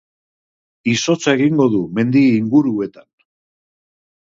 Izotza egingo du mendi inguruetan.